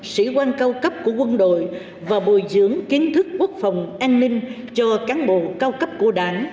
sĩ quan cao cấp của quân đội và bồi dưỡng kiến thức quốc phòng an ninh cho cán bộ cao cấp của đảng